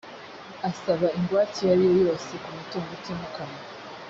asaba ingwate iyo ariyo yose ku mutungo utimukanwa